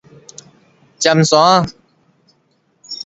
尖山仔